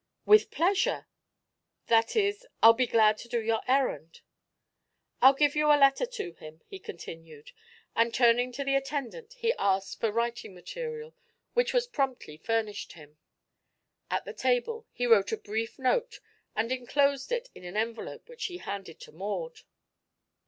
"With pleasure. That is I'll be glad to do your errand." "I'll give you a letter to him," he continued, and turning to the attendant he asked for writing material, which was promptly furnished him. At the table he wrote a brief note and enclosed it in an envelope which he handed to Maud.